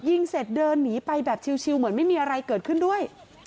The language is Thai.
ยิงเสร็จเดินหนีไปแบบชิลเหมือนไม่มีอะไรเกิดขึ้นด้วย